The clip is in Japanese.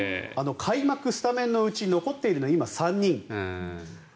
開幕スタメンのうち残っているのは今、３人。